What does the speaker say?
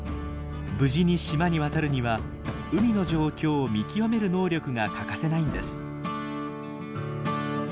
無事に島に渡るには海の状況を見極める能力が欠かせないんです。